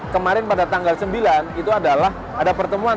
kemarin pada tanggal sembilan itu adalah ada pertemuan